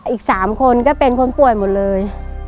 อีก๓คนก็เป็นคนป่วยหมดเลย